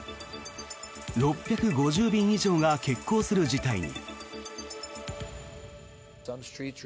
６５０便以上が欠航する事態に。